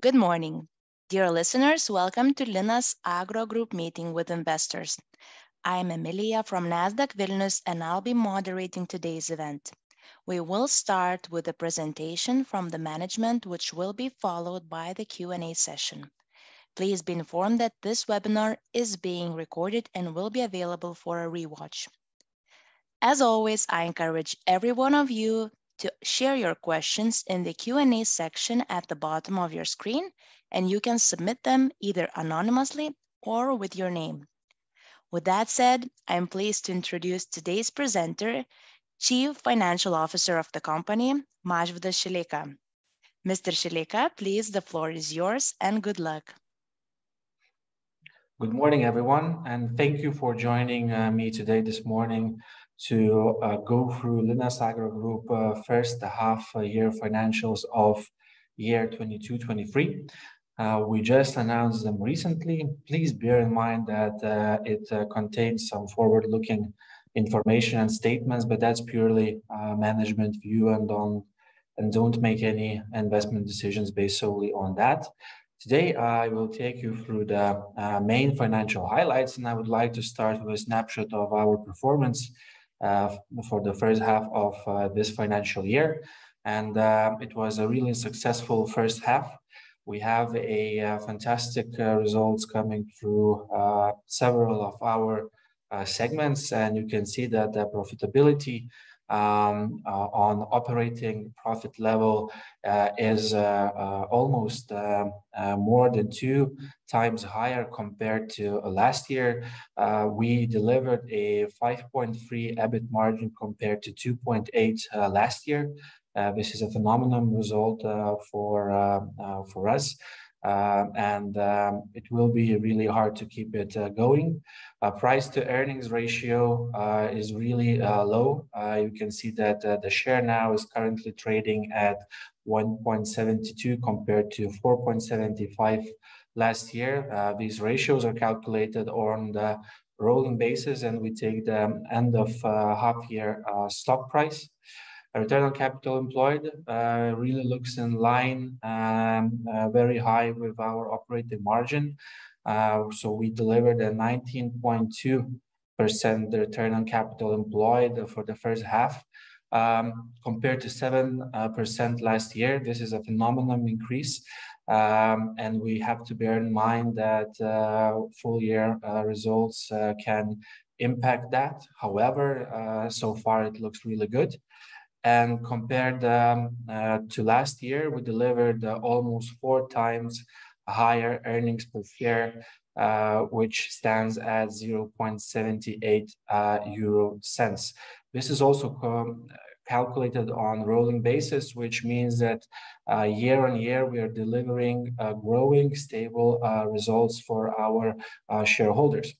Good morning. Dear listeners, welcome to Linas Agro Group meeting with investors. I'm Emilia from Nasdaq Vilnius, and I'll be moderating today's event. We will start with a presentation from the management, which will be followed by the Q&A session. Please be informed that this webinar is being recorded and will be available for a rewatch. As always, I encourage every one of you to share your questions in the Q&A section at the bottom of your screen, and you can submit them either anonymously or with your name. With that said, I am pleased to introduce today's presenter, Chief Financial Officer of the company, Mažvydas Šileika. Mr. Šileika, please, the floor is yours, and good luck. Good morning, everyone, thank you for joining me today this morning to go through Linas Agro Group first half year financials of year 2022, 2023. We just announced them recently. Please bear in mind that it contains some forward-looking information and statements, but that's purely management view and don't make any investment decisions based solely on that. Today, I will take you through the main financial highlights. I would like to start with a snapshot of our performance for the first half of this financial year. It was a really successful first half. We have fantastic results coming through several of our segments, and you can see that the profitability on operating profit level is almost more than 2x higher compared to last year. We delivered a 5.3 EBIT margin compared to 2.8 last year. This is a phenomenal result for us. It will be really hard to keep it going. Our price-to-earnings ratio is really low. You can see that the share now is currently trading at 1.72 compared to 4.75 last year. These ratios are calculated on the rolling basis, and we take the end of half year stock price. Return on capital employed really looks in line, very high with our operating margin. We delivered a 19.2% return on capital employed for the first half, compared to 7% last year. This is a phenomenal increase, we have to bear in mind that full year results can impact that. However, so far it looks really good. Compared to last year, we delivered almost 4x higher earnings per share, which stands at 0.78. This is also calculated on rolling basis, which means that year-on-year, we are delivering growing stable results for our shareholders.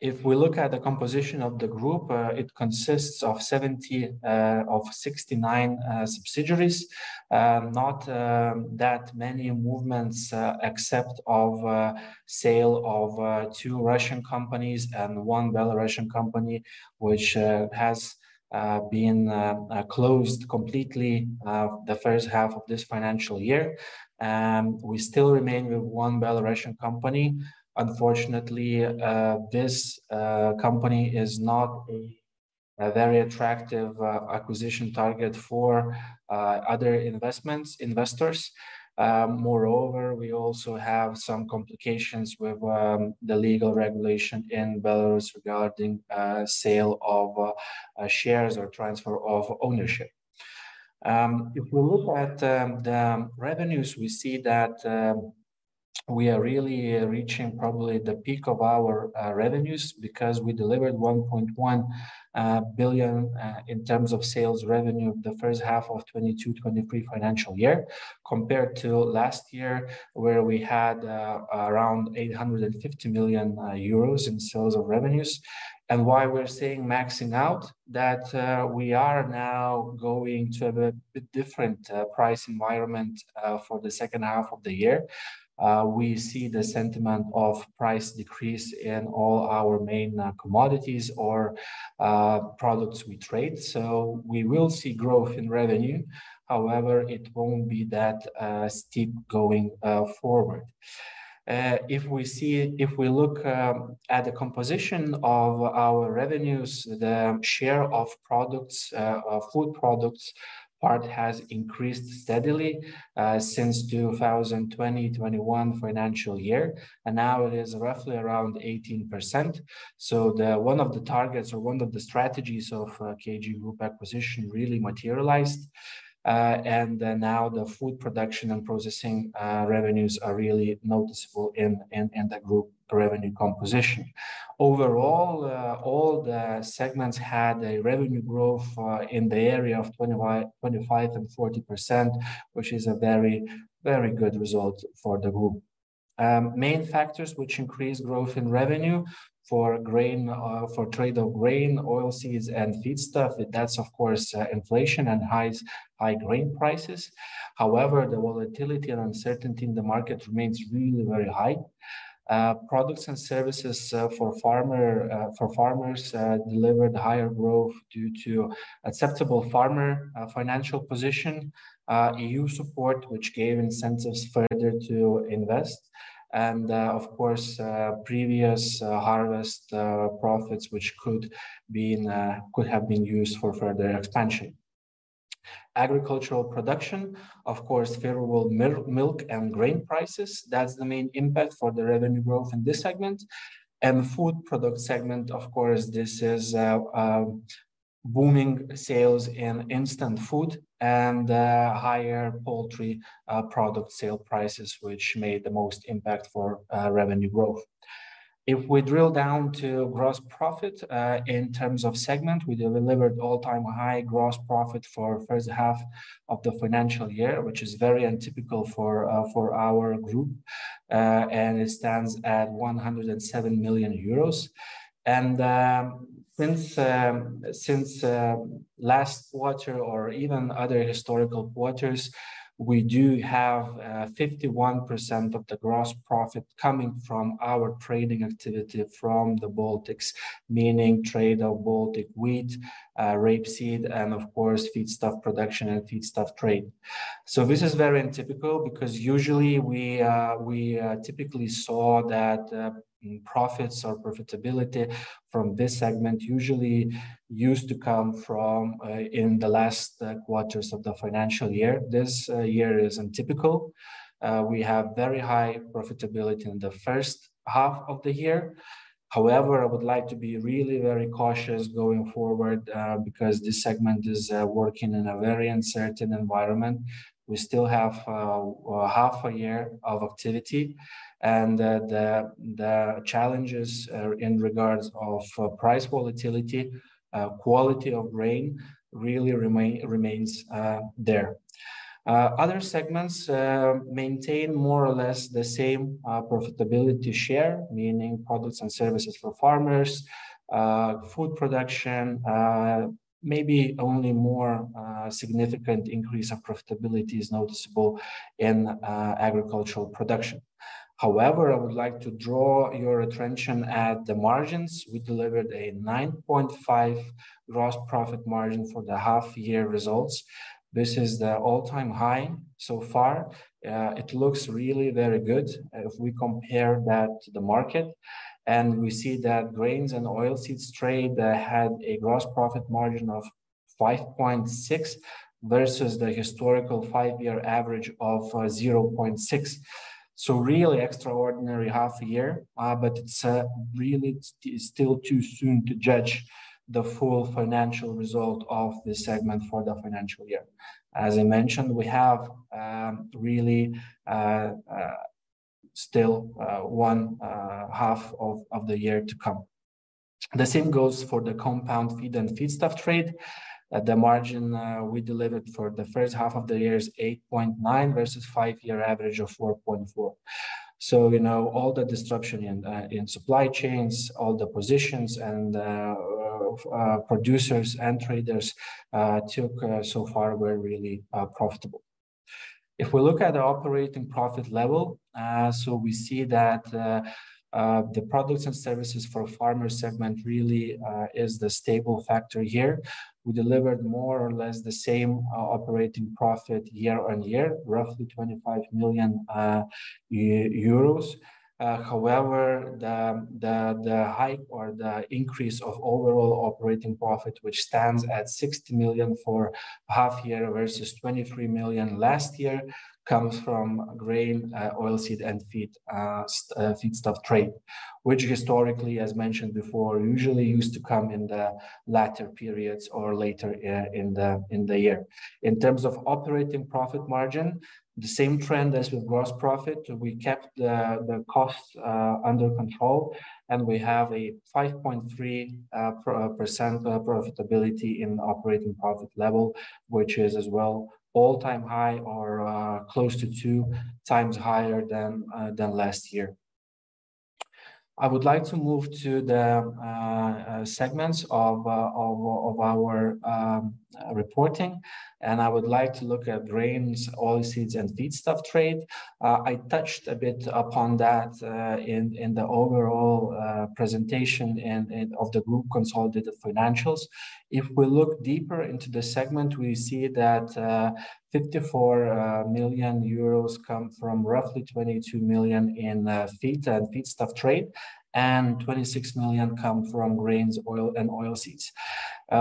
If we look at the composition of the group, it consists of 69 subsidiaries. Not that many movements, except of sale of two Russian companies and one Belarusian company, which has been closed completely the first half of this financial year. We still remain with one Belarusian company. Unfortunately, this company is not a very attractive acquisition target for other investors. Moreover, we also have some complications with the legal regulation in Belarus regarding sale of shares or transfer of ownership. If we look at the revenues, we see that we are really reaching probably the peak of our revenues because we delivered 1.1 billion in terms of sales revenue the first half of 2022/2023 financial year, compared to last year, where we had around 850 million euros in sales of revenues. Why we're saying maxing out, that we are now going to have a different price environment for the second half of the year. We see the sentiment of price decrease in all our main commodities or products we trade. We will see growth in revenue. However, it won't be that steep going forward. If we look at the composition of our revenues, the share of products, of food products part has increased steadily, since 2020/2021 financial year, and now it is roughly around 18%. One of the targets or one of the strategies of KG Group acquisition really materialized. Now the food production and processing revenues are really noticeable in the group revenue composition. Overall, all the segments had a revenue growth in the area of 25% and 40%, which is a very, very good result for the group. Main factors which increase growth in revenue for grain, for trade of grain, oilseeds, and feedstuff, that's of course, inflation and high grain prices. However, the volatility and uncertainty in the market remains really very high. Products and services for farmers delivered higher growth due to acceptable farmer financial position, EU support, which gave incentives further to invest, and, of course, previous harvest profits which could have been used for further expansion. Agricultural production, of course, favorable milk and grain prices, that's the main impact for the revenue growth in this segment. Food product segment, of course, this is booming sales in instant food and higher poultry product sale prices which made the most impact for revenue growth. If we drill down to gross profit in terms of segment, we delivered all-time high gross profit for first half of the financial year, which is very untypical for our group. And it stands at 107 million euros. Since last quarter or even other historical quarters, we do have 51% of the gross profit coming from our trading activity from the Baltics, meaning trade of Baltic wheat, rapeseed, and of course, feedstock production and feedstock trade. This is very untypical because usually we typically saw that profits or profitability from this segment usually used to come from in the last quarters of the financial year. This year is untypical. We have very high profitability in the first half of the year. I would like to be really very cautious going forward because this segment is working in a very uncertain environment. We still have half a year of activity and the challenges in regards of price volatility, quality of grain really remains there. Other segments maintain more or less the same profitability share, meaning products and services for farmers, food production. Maybe only more significant increase of profitability is noticeable in agricultural production. However, I would like to draw your attention at the margins. We delivered a 9.5% gross profit margin for the half-year results. This is the all-time high so far. It looks really very good if we compare that to the market, and we see that grains and oilseeds trade had a gross profit margin of 5.6% versus the historical five-year average of 0.6%. Really extraordinary half a year, but it's still too soon to judge the full financial result of this segment for the financial year. As I mentioned, we have really still one half of the year to come. The same goes for the compound feed and feedstock trade. The margin we delivered for the first half of the year is 8.9% versus five-year average of 4.4%. You know, all the disruption in supply chains, all the positions and producers and traders took so far were really profitable. If we look at the operating profit level, we see that the products and services for farmers segment really is the stable factor here. We delivered more or less the same operating profit year-on-year, roughly EUR 25 million. However, the hike or the increase of overall operating profit, which stands at 60 million for half year versus 23 million last year, comes from grain, oilseed and feed feedstock trade, which historically, as mentioned before, usually used to come in the latter periods or later in the year. In terms of operating profit margin, the same trend as with gross profit, we kept the costs under control and we have a 5.3% profitability in operating profit level, which is as well all-time high or close to 2x higher than last year. I would like to move to the segments of our reporting and I would like to look at grains, oilseeds and feedstock trade. I touched a bit upon that in the overall presentation and of the group consolidated financials. If we look deeper into the segment, we see that 54 million euros come from roughly 22 million in feed and feedstock trade and 26 million come from grains, oil and oilseeds.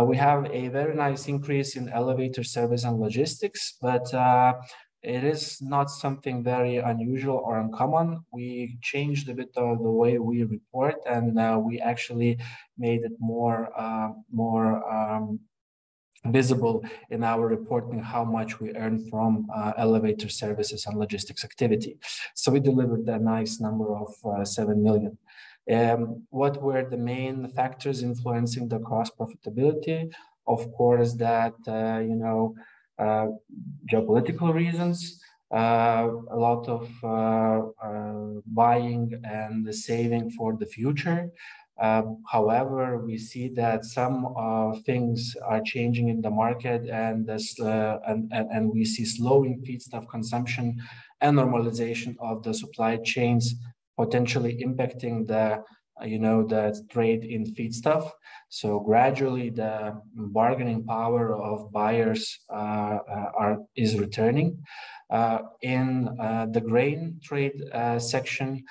We have a very nice increase in elevator service and logistics, but it is not something very unusual or uncommon. We changed a bit of the way we report and we actually made it more visible in our reporting how much we earn from elevator services and logistics activity. We delivered a nice number of 7 million. What were the main factors influencing the cost profitability? Of course, that, you know, geopolitical reasons, a lot of buying and saving for the future. However, we see that some things are changing in the market and this, and we see slowing feedstock consumption and normalization of the supply chains potentially impacting the, you know, the trade in feedstock. Gradually the bargaining power of buyers is returning. In the grain trade section,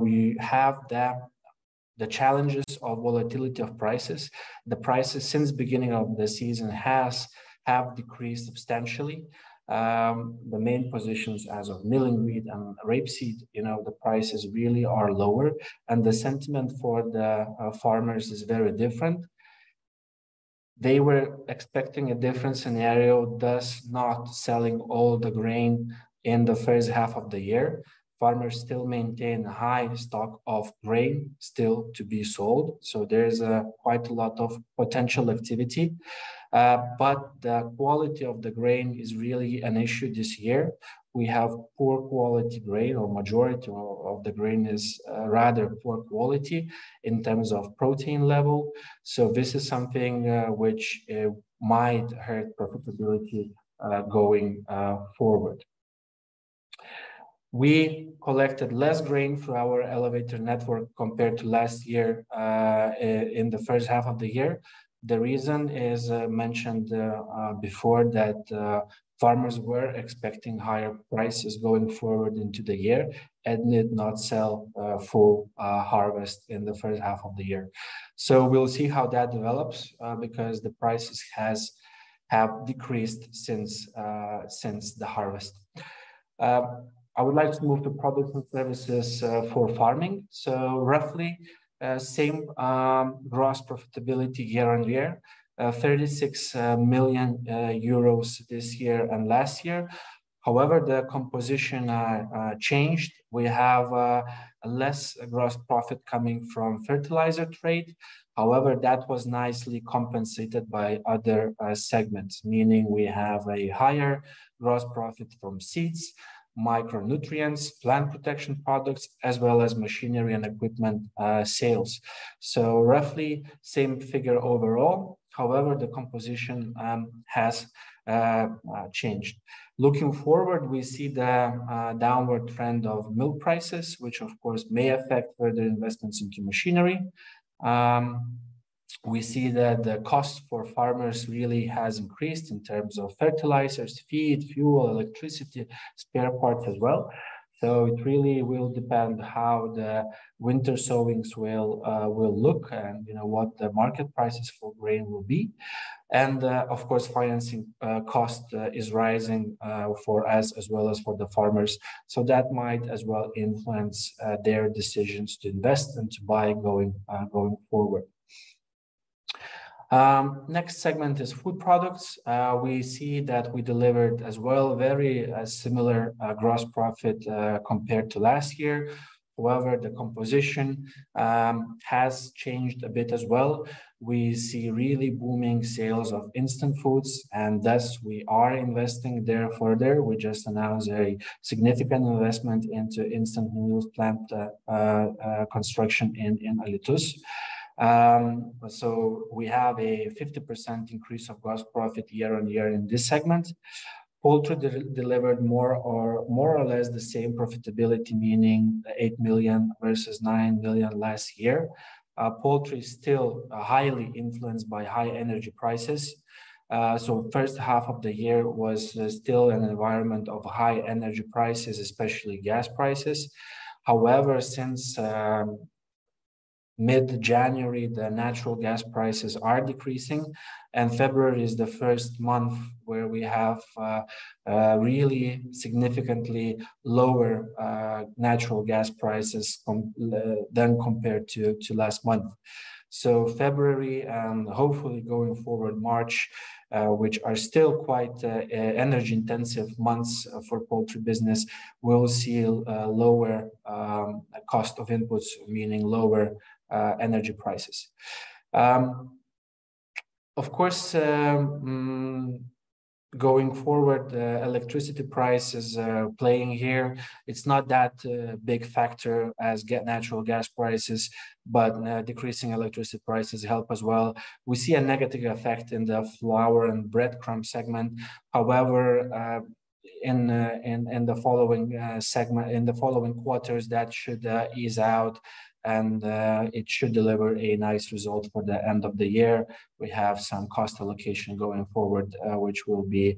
we have the challenges of volatility of prices. The prices since beginning of the season have decreased substantially. The main positions as of milling wheat and rapeseed, you know, the prices really are lower, and the sentiment for the farmers is very different. They were expecting a different scenario, thus not selling all the grain in the first half of the year. Farmers still maintain high stock of grain still to be sold, there is quite a lot of potential activity. The quality of the grain is really an issue this year. We have poor quality grain or majority of the grain is rather poor quality in terms of protein level. This is something which might hurt profitability going forward. We collected less grain through our elevator network compared to last year in the first half of the year. The reason is mentioned before that farmers were expecting higher prices going forward into the year and did not sell full harvest in the first half of the year. We'll see how that develops because the prices have decreased since since the harvest. I would like to move to products and services for farming. Roughly same gross profitability year-on-year, 36 million euros this year and last year. However, the composition changed. We have less gross profit coming from fertilizer trade. However, that was nicely compensated by other segments, meaning we have a higher gross profit from seeds, micronutrients, plant protection products, as well as machinery and equipment sales. Roughly same figure overall, however, the composition has changed. Looking forward, we see the downward trend of milk prices, which of course may affect further investments into machinery. We see that the cost for farmers really has increased in terms of fertilizers, feed, fuel, electricity, spare parts as well. It really will depend how the winter sowings will look and, you know, what the market prices for grain will be. Of course, financing cost is rising for us as well as for the farmers. That might as well influence their decisions to invest and to buy going forward. Next segment is food products. We see that we delivered as well very similar gross profit compared to last year. However, the composition has changed a bit as well. We see really booming sales of instant foods, and thus we are investing there further. We just announced a significant investment into instant noodles plant construction in Alytus. We have a 50% increase of gross profit year-over-year in this segment. Poultry delivered more or less the same profitability, meaning 8 million versus 9 million last year. Poultry is still highly influenced by high energy prices. First half of the year was still an environment of high energy prices, especially gas prices. However, since mid-January, the natural gas prices are decreasing, and February is the first month where we have really significantly lower natural gas prices than compared to last month. February and hopefully going forward March, which are still quite energy-intensive months for poultry business, will see a lower cost of inputs, meaning lower energy prices. Of course, going forward, electricity prices are playing here. It's not that big factor as natural gas prices, but decreasing electricity prices help as well. We see a negative effect in the flour and breadcrumb segment. However, in the following quarters, that should ease out and it should deliver a nice result for the end of the year. We have some cost allocation going forward, which will be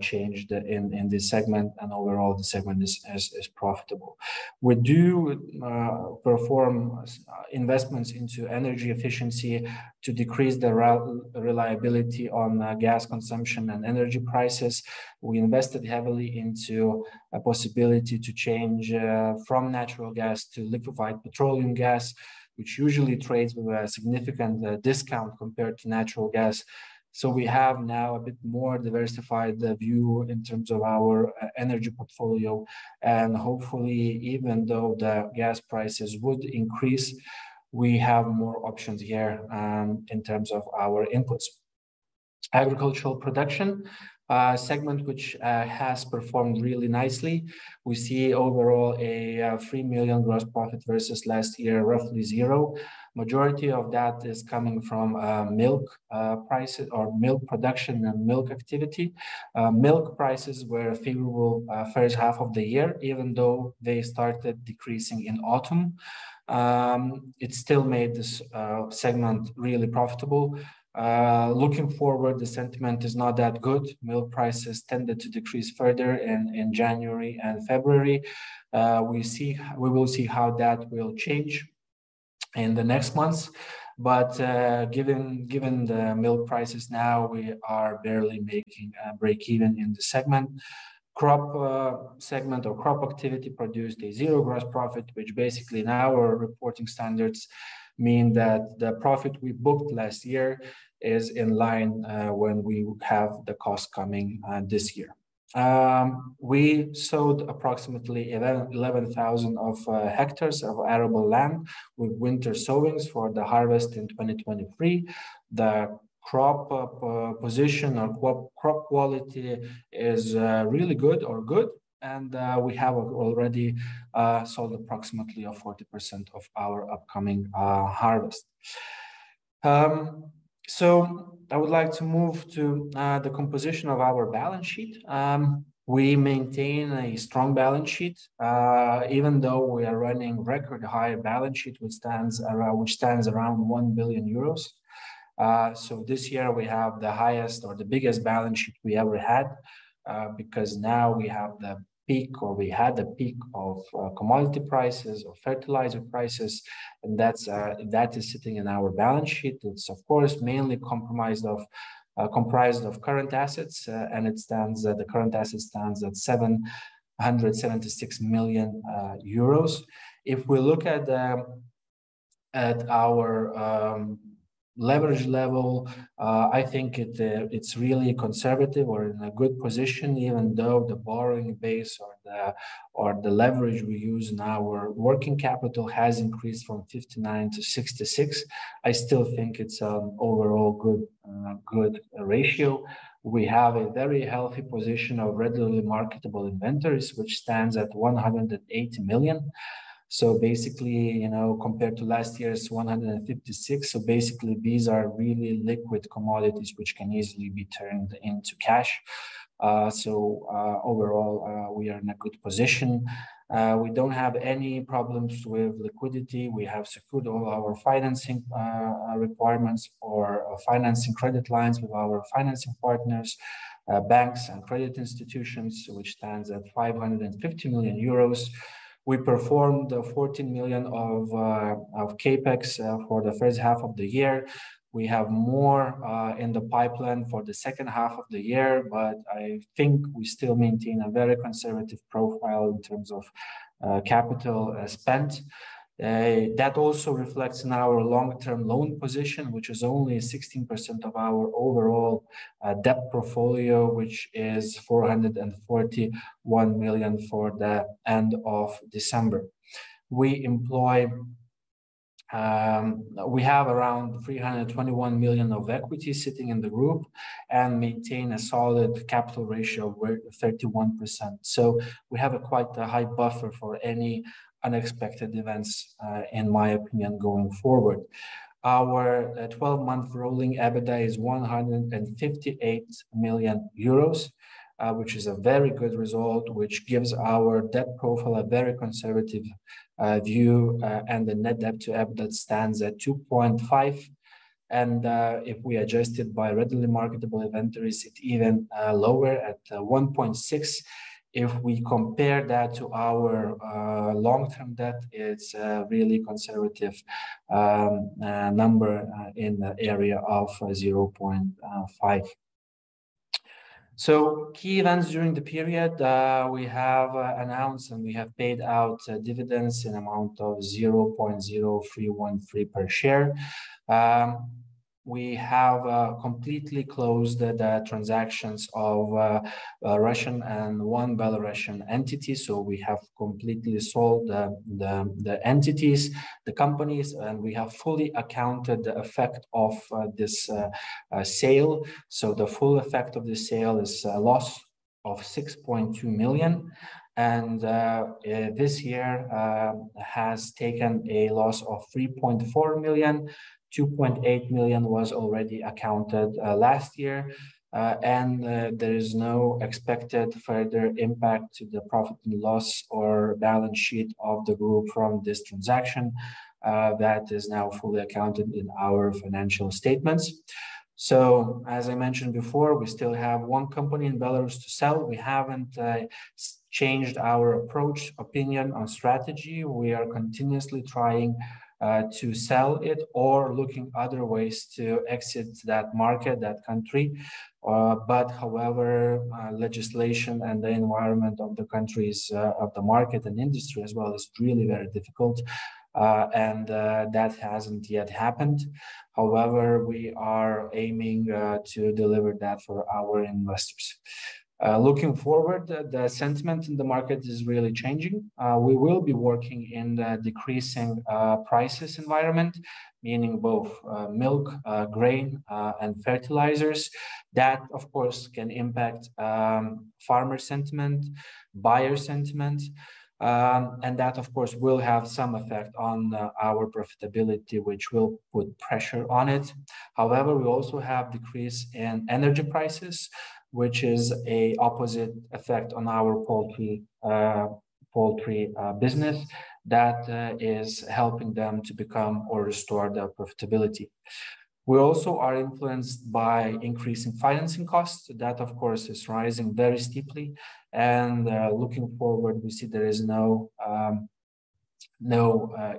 changed in this segment, and overall the segment is profitable. We do perform investments into energy efficiency to decrease the reliability on gas consumption and energy prices. We invested heavily into a possibility to change from natural gas to liquefied petroleum gas, which usually trades with a significant discount compared to natural gas. We have now a bit more diversified view in terms of our e-energy portfolio, and hopefully, even though the gas prices would increase, we have more options here in terms of our inputs. Agricultural production segment which has performed really nicely. We see overall a 3 million gross profit versus last year, roughly 0. Majority of that is coming from milk prices or milk production and milk activity. Milk prices were favorable first half of the year, even though they started decreasing in autumn. It still made this segment really profitable. Looking forward, the sentiment is not that good. Milk prices tended to decrease further in January and February. We will see how that will change. In the next months, given the milk prices now, we are barely making break-even in the segment. Crop segment or crop activity produced a zero gross profit, which basically in our reporting standards mean that the profit we booked last year is in line when we have the cost coming this year. We sowed approximately 11,000 of hectares of arable land with winter sowings for the harvest in 2023. The crop position or crop quality is really good or good and we have already sold approximately 40% of our upcoming harvest. I would like to move to the composition of our balance sheet. We maintain a strong balance sheet, even though we are running record high balance sheet, which stands around 1 billion euros. This year we have the highest or the biggest balance sheet we ever had, because now we have the peak of commodity prices or fertilizer prices, that is sitting in our balance sheet. It's mainly comprised of current assets, and it stands at... The current asset stands at 776 million euros. If we look at the, at our leverage level, I think it's really conservative or in a good position, even though the borrowing base or the leverage we use in our working capital has increased from 59-66. I still think it's overall good ratio. We have a very healthy position of readily marketable inventories, which stands at 108 million. Basically, you know, compared to last year's 156, these are really liquid commodities which can easily be turned into cash. Overall, we are in a good position. We don't have any problems with liquidity. We have secured all our financing requirements for financing credit lines with our financing partners, banks and credit institutions, which stands at 550 million euros. We performed 14 million of CapEx for the first half of the year. We have more in the pipeline for the second half of the year, but I think we still maintain a very conservative profile in terms of capital spent. That also reflects in our long-term loan position, which is only 16% of our overall debt portfolio, which is 441 million for the end of December. We employ, we have around 321 million of equity sitting in the group and maintain a solid capital ratio of 31%. We have a quite a high buffer for any unexpected events in my opinion going forward. Our 12-month rolling EBITDA is 158 million euros, which is a very good result, which gives our debt profile a very conservative view, and the net debt to EBITDA stands at 2.5. If we adjust it by readily marketable inventories, it's even lower at 1.6. If we compare that to our long-term debt, it's really conservative number in the area of 0.5. Key events during the period, we have announced and we have paid out dividends in amount of 0.0313 per share. We have completely closed the transactions of Russian and one Belarusian entity. We have completely sold the entities, the companies, and we have fully accounted the effect of this sale. The full effect of the sale is a loss of 6.2 million, and this year has taken a loss of 3.4 million. 2.8 million was already accounted, last year. There is no expected further impact to the profit and loss or balance sheet of the group from this transaction, that is now fully accounted in our financial statements. As I mentioned before, we still have one company in Belarus to sell. We haven't changed our approach, opinion or strategy. We are continuously trying to sell it or looking other ways to exit that market, that country. However, legislation and the environment of the countries, of the market and industry as well is really very difficult, that hasn't yet happened. However, we are aiming to deliver that for our investors. Looking forward, the sentiment in the market is really changing. We will be working in the decreasing prices environment, meaning both milk, grain, and fertilizers. That, of course, can impact farmer sentiment, buyer sentiment, and that, of course, will have some effect on our profitability, which will put pressure on it. However, we also have decrease in energy prices, which is a opposite effect on our poultry business that is helping them to become or restore their profitability. We also are influenced by increase in financing costs. That of course is rising very steeply, and looking forward, we see there is no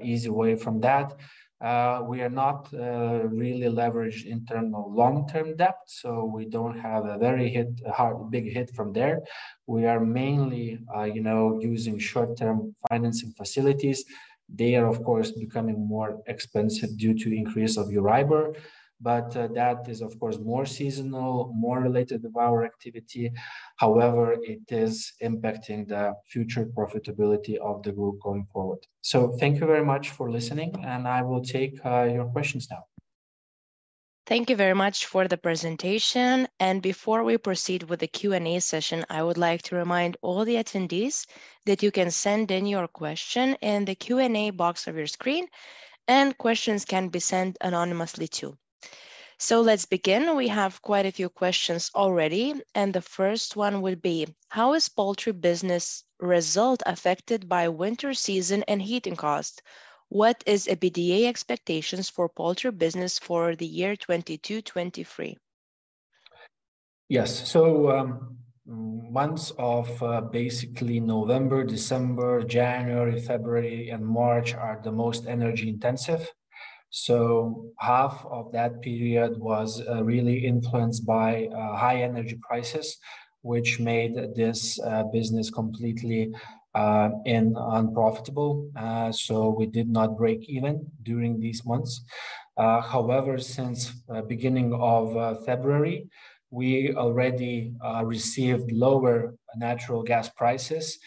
easy way from that. We are not really leveraged in term of long-term debt, so we don't have a very hit hard, big hit from there. We are mainly, you know, using short-term financing facilities. They are, of course, becoming more expensive due to increase of EURIBOR, but, that is of course more seasonal, more related with our activity. However, it is impacting the future profitability of the group going forward. Thank you very much for listening, and I will take your questions now. Thank you very much for the presentation. Before we proceed with the Q&A session, I would like to remind all the attendees that you can send in your question in the Q&A box of your screen. Questions can be sent anonymously too. Let's begin. We have quite a few questions already. The first one will be: How is poultry business result affected by winter season and heating costs? What is EBITDA expectations for poultry business for the year 2022, 2023? Yes. Months of basically November, December, January, February and March are the most energy intensive, so half of that period was really influenced by high energy prices, which made this business completely unprofitable. We did not break even during these months. However, since beginning of February, we already received lower natural gas prices,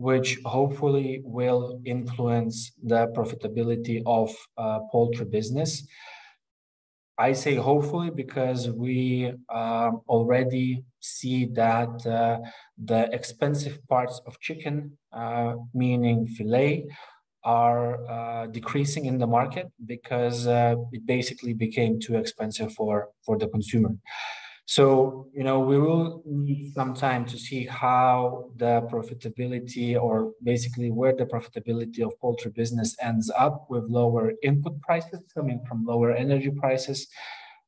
which hopefully will influence the profitability of poultry business. I say hopefully because we already see that the expensive parts of chicken, meaning filet, are decreasing in the market because it basically became too expensive for the consumer. You know, we will need some time to see how the profitability or basically where the profitability of poultry business ends up with lower input prices coming from lower energy prices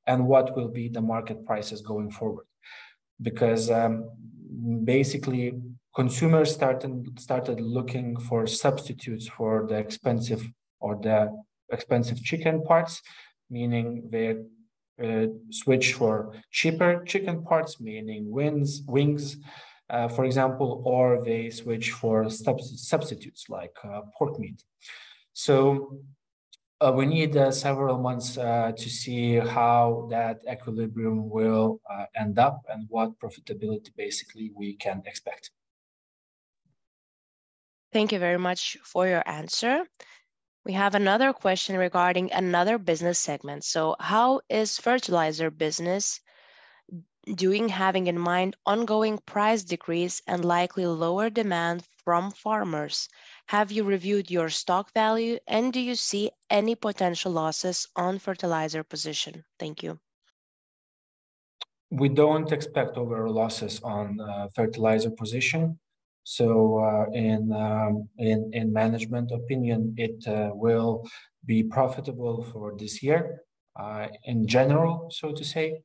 and what will be the market prices going forward because basically consumers started looking for substitutes for the expensive chicken parts, meaning they switch for cheaper chicken parts, meaning wings, for example, or they switch for substitutes like pork meat. We need several months to see how that equilibrium will end up and what profitability basically we can expect. Thank you very much for your answer. We have another question regarding another business segment. How is fertilizer business doing, having in mind ongoing price decrease and likely lower demand from farmers? Have you reviewed your stock value, and do you see any potential losses on fertilizer position? Thank you. We don't expect overall losses on fertilizer position. In management opinion, it will be profitable for this year in general, so to say.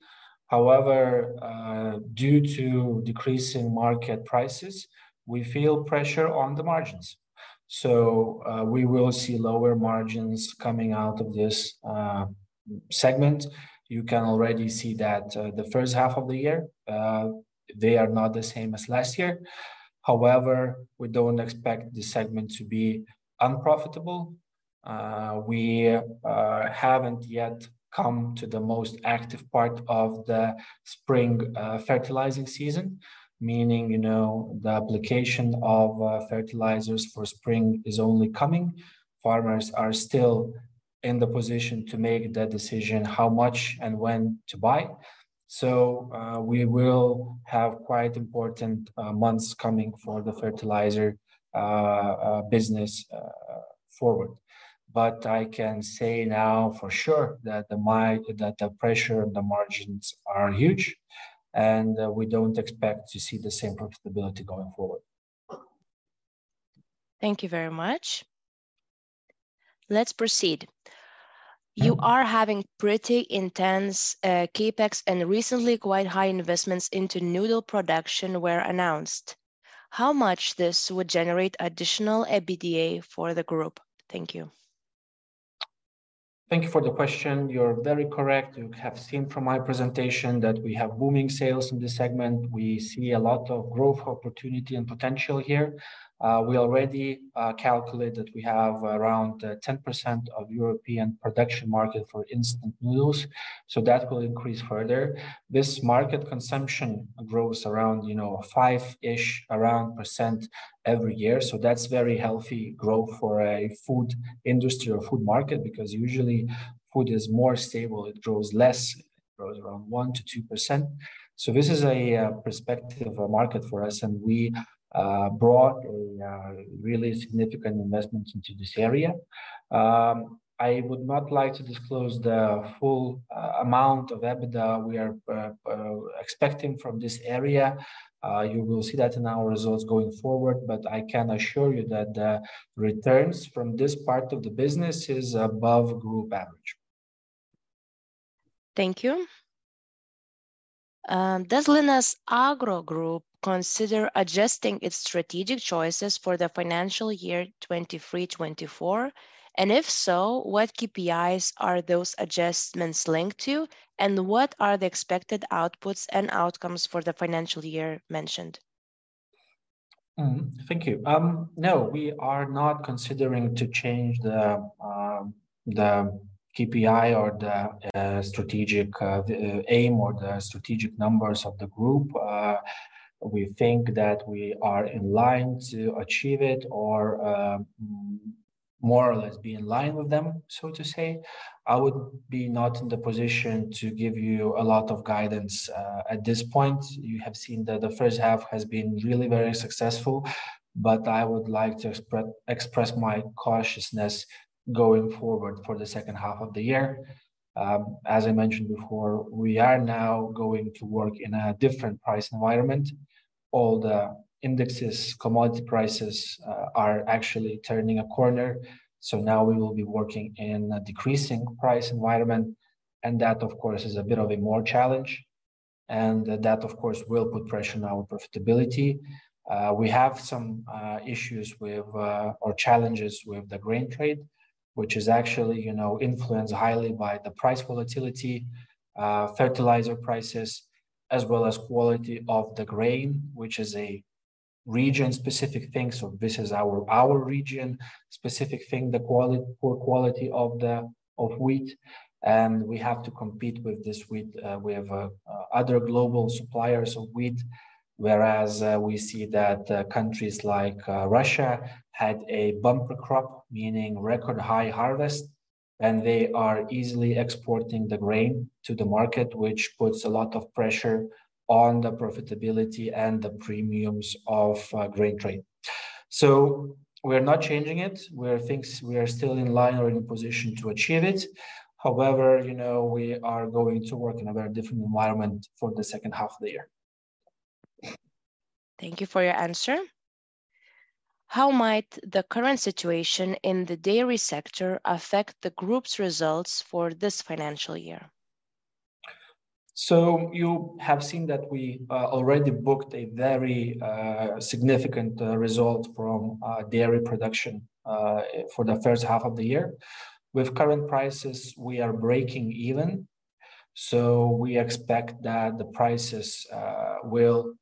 Due to decreasing market prices, we feel pressure on the margins, so we will see lower margins coming out of this segment. You can already see that the first half of the year they are not the same as last year. We don't expect this segment to be unprofitable. We haven't yet come to the most active part of the spring fertilizing season. Meaning, you know, the application of fertilizers for spring is only coming. Farmers are still in the position to make that decision, how much and when to buy. We will have quite important months coming for the fertilizer business forward. I can say now for sure that the pressure and the margins are huge, and we don't expect to see the same profitability going forward. Thank you very much. Let's proceed. You are having pretty intense CapEx. Recently, quite high investments into noodle production were announced. How much this would generate additional EBITDA for the group? Thank you. Thank you for the question. You're very correct. You have seen from my presentation that we have booming sales in this segment. We see a lot of growth opportunity and potential here. We already calculate that we have around 10% of European production market for instant noodles. That will increase further. This market consumption grows around, you know, 5-ish % every year. That's very healthy growth for a food industry or food market because usually food is more stable. It grows less. It grows around 1%-2%. This is a perspective market for us, and we brought a really significant investment into this area. I would not like to disclose the full amount of EBITDA we are expecting from this area. You will see that in our results going forward, but I can assure you that the returns from this part of the business is above group average. Thank you. Does Linas Agro Group consider adjusting its strategic choices for the financial year 2023, 2024? If so, what KPIs are those adjustments linked to, and what are the expected outputs and outcomes for the financial year mentioned? Thank you. No, we are not considering to change the KPI or the strategic aim or the strategic numbers of the group. We think that we are in line to achieve it or more or less be in line with them, so to say. I would be not in the position to give you a lot of guidance at this point. You have seen that the first half has been really very successful. I would like to express my cautiousness going forward for the second half of the year. As I mentioned before, we are now going to work in a different price environment. All the indexes, commodity prices, are actually turning a corner, so now we will be working in a decreasing price environment and that, of course, is a bit of a more challenge and that, of course, will put pressure on our profitability. We have some issues with or challenges with the grain trade, which is actually, you know, influenced highly by the price volatility, fertilizer prices, as well as quality of the grain, which is a region-specific thing. This is our region specific thing, the poor quality of the wheat, and we have to compete with this wheat. We have other global suppliers of wheat, whereas we see that countries like Russia had a bumper crop, meaning record high harvest, and they are easily exporting the grain to the market, which puts a lot of pressure on the profitability and the premiums of grain trade. We're not changing it. We are thinks we are still in line or in position to achieve it. However, you know, we are going to work in a very different environment for the second half of the year. Thank you for your answer. How might the current situation in the dairy sector affect the group's results for this financial year? You have seen that we already booked a very significant result from dairy production for the first half of the year. With current prices, we are breaking even. We expect that the prices will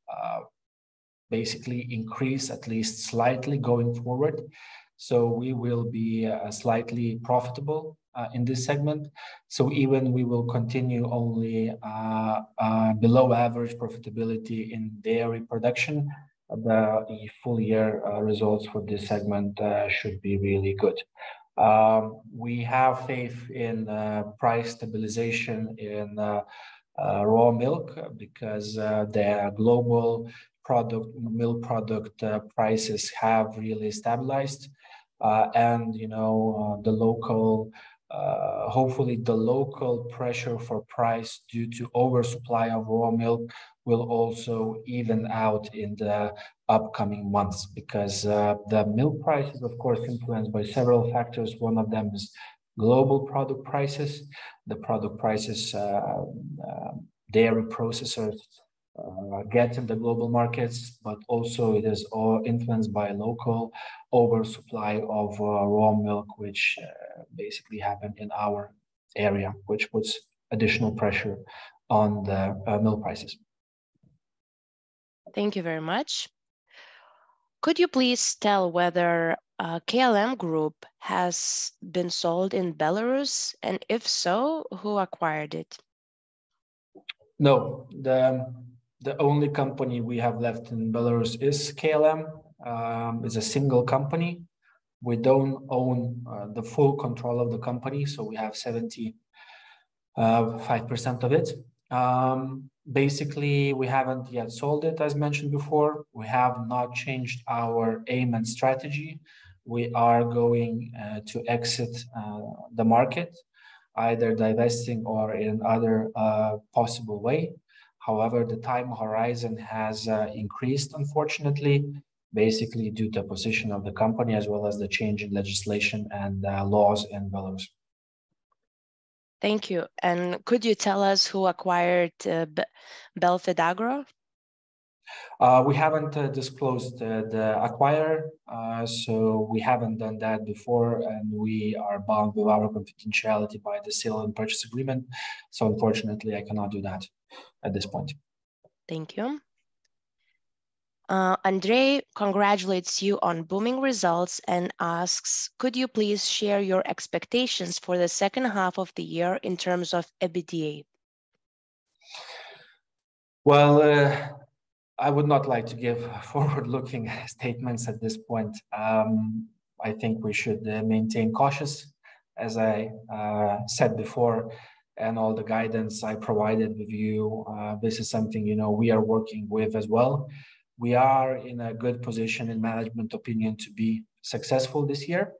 basically increase at least slightly going forward. We will be slightly profitable in this segment. Even we will continue only below average profitability in dairy production. The full year results for this segment should be really good. We have faith in price stabilization in raw milk because the global milk product prices have really stabilized. You know, the local, hopefully the local pressure for price due to oversupply of raw milk will also even out in the upcoming months because the milk price is of course influenced by several factors. One of them is global product prices, the product prices dairy processors get in the global markets, but also it is influenced by local oversupply of raw milk, which basically happened in our area, which puts additional pressure on the milk prices. Thank you very much. Could you please tell whether, KLM Group has been sold in Belarus, and if so, who acquired it? No. The only company we have left in Belarus is KLM. It's a single company. We don't own the full control of the company, so we have 75% of it. Basically, we haven't yet sold it, as mentioned before. We have not changed our aim and strategy. We are going to exit the market, either divesting or in other possible way. However, the time horizon has increased, unfortunately, basically due to position of the company as well as the change in legislation and laws in Belarus. Thank you. And could you tell us who acquired Belfidagro? We haven't disclosed the acquirer. We haven't done that before, and we are bound with our confidentiality by the sale and purchase agreement, unfortunately, I cannot do that at this point. Thank you. André congratulates you on booming results and asks, "Could you please share your expectations for the second half of the year in terms of EBITDA? Well, I would not like to give forward-looking statements at this point. I think we should maintain cautious, as I said before, and all the guidance I provided with you. This is something, you know, we are working with as well. We are in a good position in management opinion to be successful this year.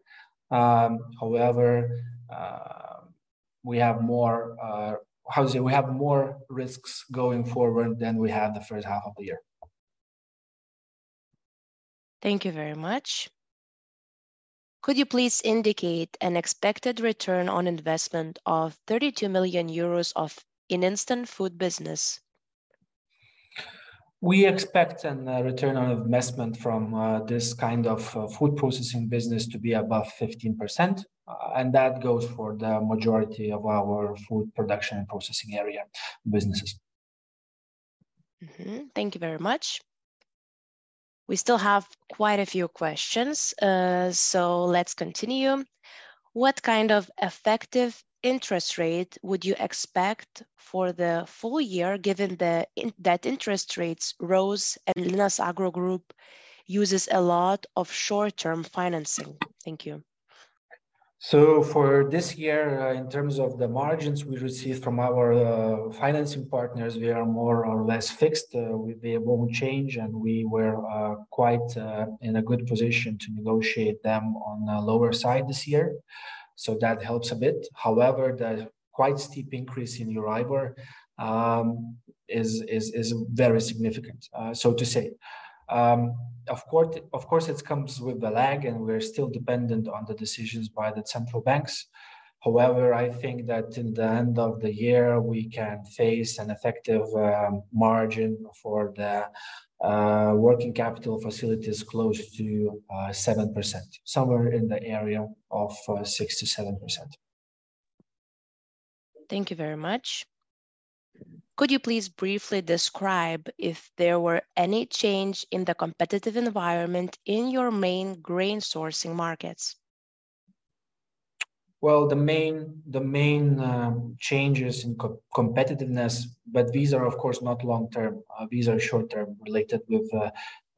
However, we have more, how you say? We have more risks going forward than we had the first half of the year. Thank you very much. Could you please indicate an expected return on investment of 32 million euros of an instant food business? We expect an ROI from this kind of food processing business to be above 15%, and that goes for the majority of our food production and processing area businesses. Thank you very much. We still have quite a few questions. Let's continue. What kind of effective interest rate would you expect for the full year, given that interest rates rose and Linas Agro Group uses a lot of short-term financing? Thank you. For this year, in terms of the margins we receive from our financing partners, we are more or less fixed. They won't change, and we were quite in a good position to negotiate them on the lower side this year, so that helps a bit. However, the quite steep increase in EURIBOR is very significant, so to say. Of course, of course it comes with a lag, and we're still dependent on the decisions by the central banks. However, I think that in the end of the year we can face an effective margin for the working capital facilities close to 7%, somewhere in the area of 6%-7%. Thank you very much. Could you please briefly describe if there were any change in the competitive environment in your main grain sourcing markets? Well, the main changes in co-competitiveness. These are of course not long-term. These are short-term, related with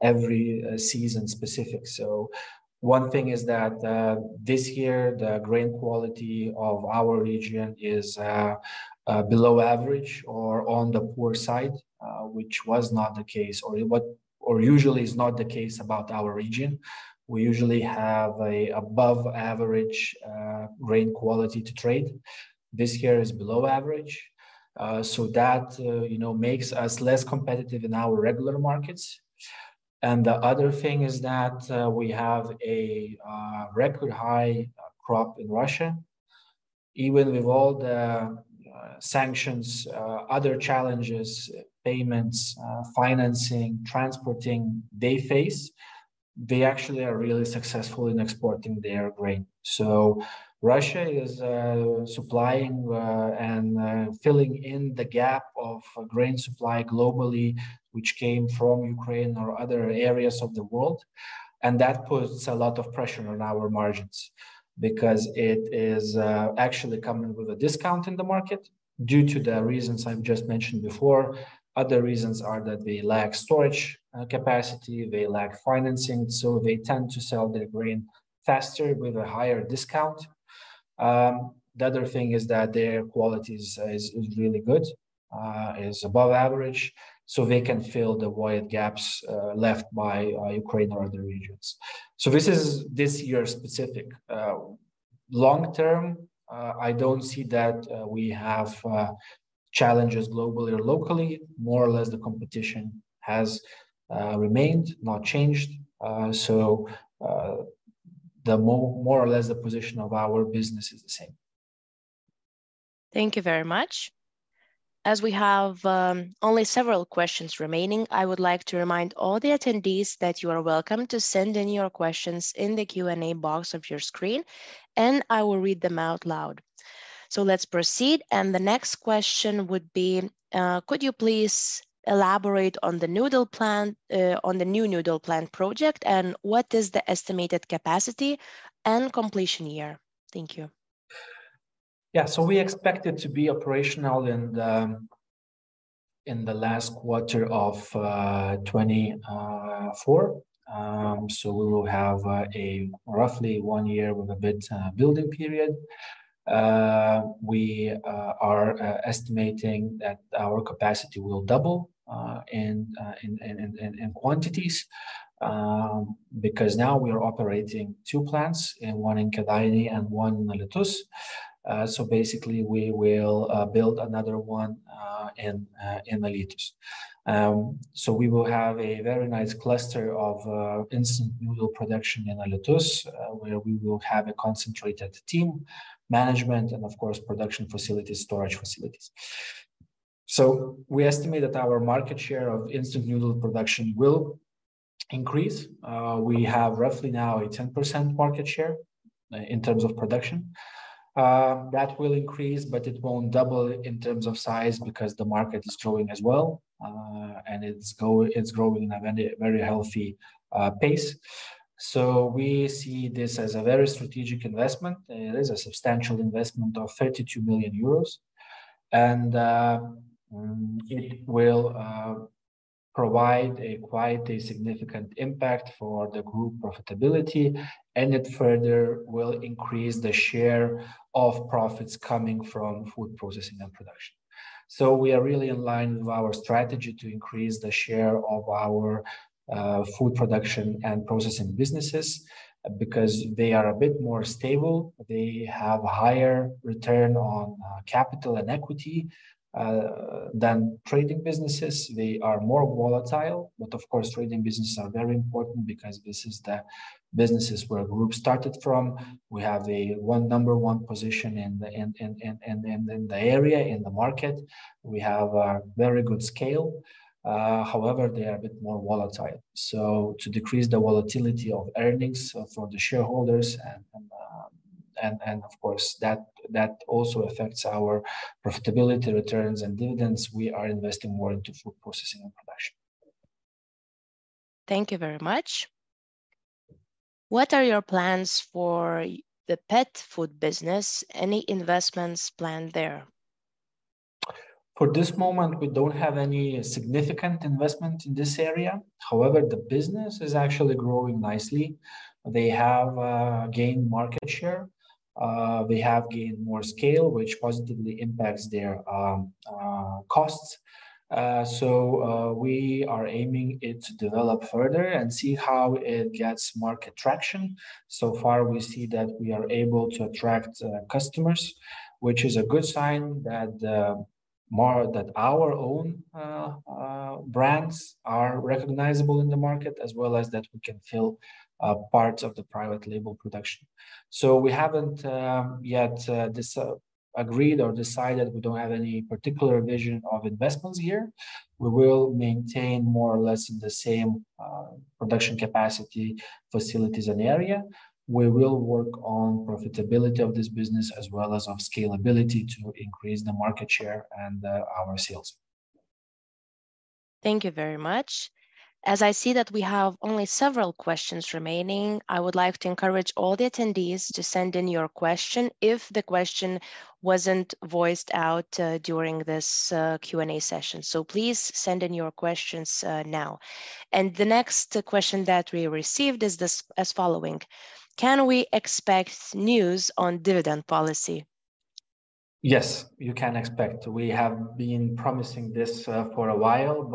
every season specific. One thing is that this year the grain quality of our region is below average or on the poor side, which was not the case or usually is not the case about our region. We usually have a above average grain quality to trade. This year is below average, so that, you know, makes us less competitive in our regular markets. The other thing is that we have a record high crop in Russia. Even with all the sanctions, other challenges, payments, financing, transporting they face, they actually are really successful in exporting their grain. Russia is supplying and filling in the gap of grain supply globally, which came from Ukraine or other areas of the world, and that puts a lot of pressure on our margins because it is actually coming with a discount in the market due to the reasons I've just mentioned before. Other reasons are that they lack storage capacity. They lack financing, so they tend to sell their grain faster with a higher discount. The other thing is that their quality is really good, is above average, so they can fill the wide gaps left by Ukraine or other regions. This is this year specific. Long term, I don't see that we have challenges globally or locally. More or less, the competition has remained, not changed. More or less the position of our business is the same. Thank you very much. As we have only several questions remaining, I would like to remind all the attendees that you are welcome to send in your questions in the Q&A box of your screen, and I will read them out loud. Let's proceed, and the next question would be: Could you please elaborate on the noodle plan, on the new noodle plan project, and what is the estimated capacity and completion year? Thank you. We expect it to be operational in the last quarter of 2024. We will have a roughly one year with a bit building period. We are estimating that our capacity will double in quantities because now we are operating two plants, one in Kėdainiai and one in Alytus. Basically we will build another one in Alytus. We will have a very nice cluster of instant noodle production in Alytus, where we will have a concentrated team, management and of course production facilities, storage facilities. We estimate that our market share of instant noodle production will increase. We have roughly now a 10% market share in terms of production. That will increase, but it won't double in terms of size because the market is growing as well, and it's growing in a very, very healthy pace. We see this as a very strategic investment. It is a substantial investment of 32 million euros, and it will provide a quite a significant impact for the Group profitability, and it further will increase the share of profits coming from food processing and production. We are really in line with our strategy to increase the share of our food production and processing businesses because they are a bit more stable. They have higher return on capital and equity than trading businesses. They are more volatile, but of course, trading businesses are very important because this is the businesses where Group started from. We have a one. Number one position in the area, in the market. We have a very good scale. However, they are a bit more volatile. So to decrease the volatility of earnings for the shareholders and of course, that also affects our profitability returns and dividends, we are investing more into food processing and production. Thank you very much. What are your plans for the pet food business? Any investments planned there? For this moment, we don't have any significant investment in this area. However, the business is actually growing nicely. They have gained market share. They have gained more scale, which positively impacts their costs. We are aiming it to develop further and see how it gets market traction. So far, we see that we are able to attract customers, which is a good sign that our own brands are recognizable in the market, as well as that we can fill parts of the private label production. We haven't yet decided. We don't have any particular vision of investments here. We will maintain more or less the same production capacity, facilities and area. We will work on profitability of this business as well as on scalability to increase the market share and our sales. Thank you very much. As I see that we have only several questions remaining, I would like to encourage all the attendees to send in your question if the question wasn't voiced out during this Q&A session. Please send in your questions now. The next question that we received is this as following: Can we expect news on dividend policy? Yes, you can expect. We have been promising this for a while.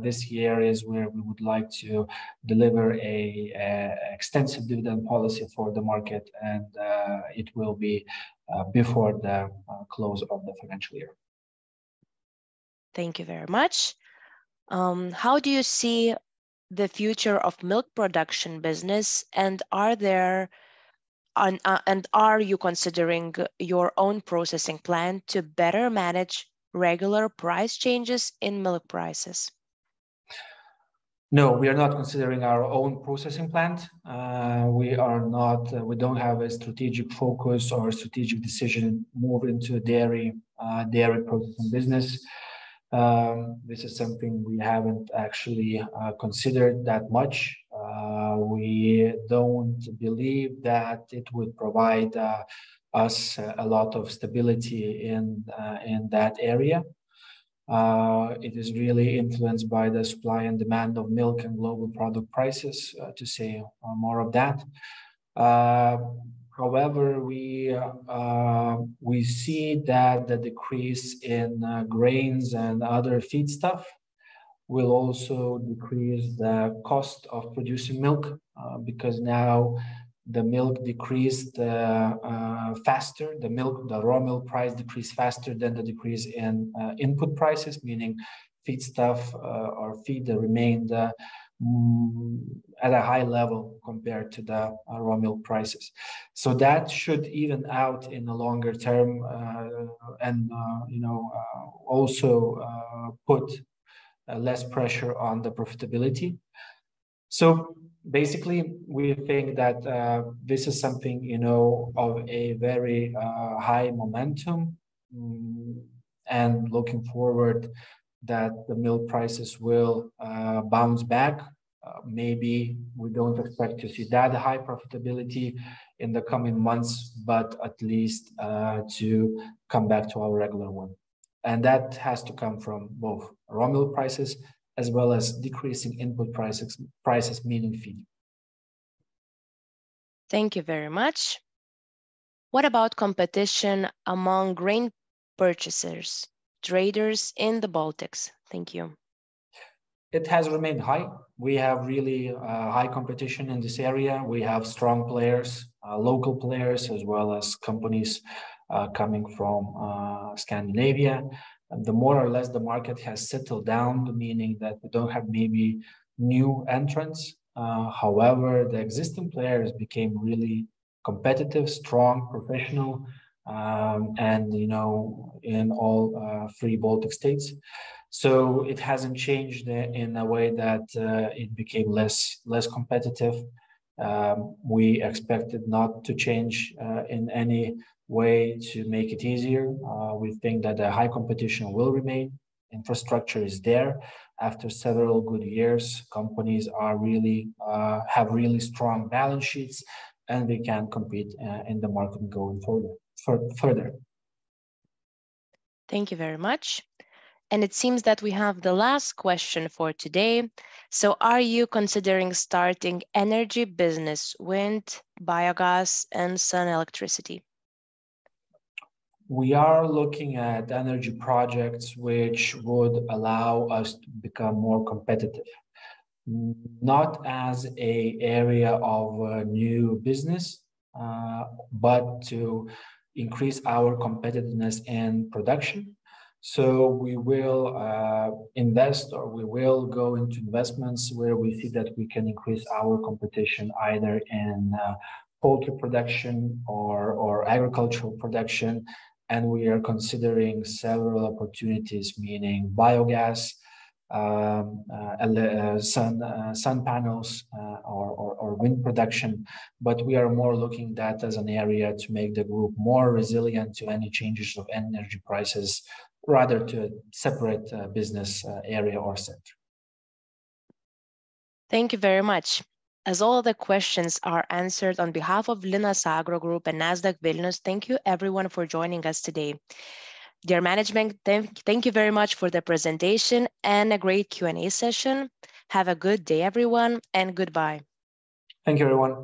This year is where we would like to deliver a extensive dividend policy for the market. It will be before the close of the financial year. Thank you very much. How do you see the future of milk production business, and are you considering your own processing plant to better manage regular price changes in milk prices? No, we are not considering our own processing plant. We don't have a strategic focus or a strategic decision move into dairy processing business. This is something we haven't actually considered that much. We don't believe that it would provide us a lot of stability in that area. It is really influenced by the supply and demand of milk and global product prices, to say more of that. However, we see that the decrease in grains and other feedstuff will also decrease the cost of producing milk, because now the milk decreased faster. The raw milk price decreased faster than the decrease in input prices, meaning feedstuff, or feed that remained at a high level compared to the raw milk prices. That should even out in the longer term, and, you know, also, put less pressure on the profitability. Basically, we think that this is something, you know, of a very high momentum, and looking forward that the milk prices will bounce back. Maybe we don't expect to see that high profitability in the coming months, but at least to come back to our regular one. That has to come from both raw milk prices as well as decreasing input prices meaning feed. Thank you very much. What about competition among grain purchasers, traders in the Baltics? Thank you. It has remained high. We have really high competition in this area. We have strong players, local players, as well as companies coming from Scandinavia. The more or less the market has settled down, meaning that we don't have maybe new entrants. However, the existing players became really competitive, strong, professional, and, you know, in all three Baltic states. It hasn't changed in a way that it became less competitive. We expect it not to change in any way to make it easier. We think that the high competition will remain. Infrastructure is there. After several good years, companies really have strong balance sheets, and they can compete in the market going further. Thank you very much. It seems that we have the last question for today. Are you considering starting energy business, wind, biogas, and sun electricity? We are looking at energy projects which would allow us to become more competitive, not as a area of new business, but to increase our competitiveness and production. We will invest, or we will go into investments where we see that we can increase our competition either in poultry production or agricultural production, and we are considering several opportunities, meaning biogas, sun panels, or wind production. We are more looking that as an area to make the group more resilient to any changes of energy prices rather to separate business area or center. Thank you very much. As all the questions are answered, on behalf of Linas Agro Group and Nasdaq Vilnius, thank you everyone for joining us today. Dear management, thank you very much for the presentation and a great Q&A session. Have a good day, everyone, and goodbye. Thank you, everyone.